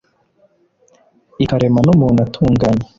Ikarema n umuntu atunganye